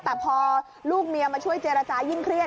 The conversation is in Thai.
แต่พอลูกเมียมาช่วยเจรจายิ่งเครียด